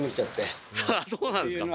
そうなんですか。